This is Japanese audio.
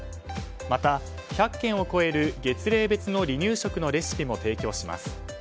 また、１００件を超える月齢別のレシピも提供します。